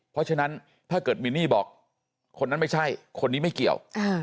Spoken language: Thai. เพราะฉะนั้นถ้าเกิดมินนี่บอกคนนั้นไม่ใช่คนนี้ไม่เกี่ยว